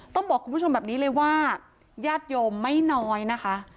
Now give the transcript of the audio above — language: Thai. ต้องบอกคุณผู้ชมแบบนี้เลยว่าญาติโยมไม่น้อยนะคะ